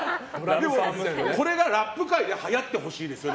でもこれがラップ界ではやってほしいですよね。